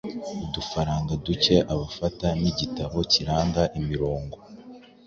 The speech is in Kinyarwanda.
udufaranga duke, afata n’igitabo kiranga imirongo